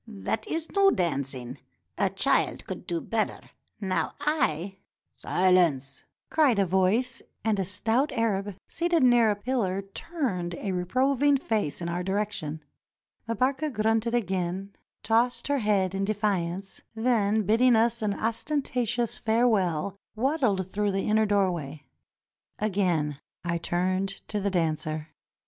That is no dancing. A child could do better. Now I —" "Silence! " cried a voice, and a stout Arab seated near a pillar turned a reproving face in our direction. Mbarka grunted again, tossed her head in defiance, then bidding us an ostentatious farewell, waddled through the inner doorway. Again I turned to the dancer.